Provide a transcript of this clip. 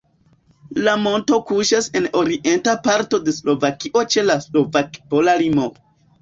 La monto kuŝas en orienta parto de Slovakio ĉe la slovak-pola limo.